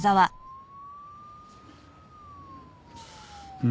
うん。